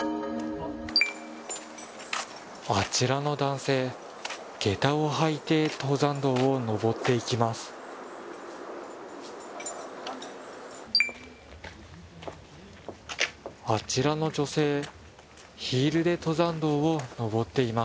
あちらの男性げたを履いて登山道を登っていきます。